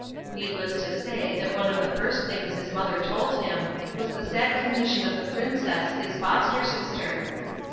Needless to say that one of the first things his mother told him was the sad condition of the princess, his foster sister.